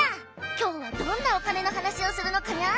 今日はどんなお金の話をするのかにゃ？